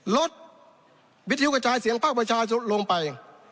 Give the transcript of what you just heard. ลดวิทยุกระจายเสียงภาคประชาชนลงไป